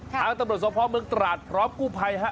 ทางตำรวจสมภาพเมืองตราดพร้อมกู้ภัยฮะ